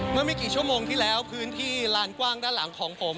เมื่อไม่กี่ชั่วโมงที่แล้วพื้นที่ลานกว้างด้านหลังของผม